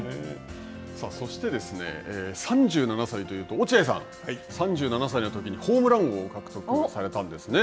そして、３７歳というと落合さんは３７歳のときにホームラン王を獲得されたんですね。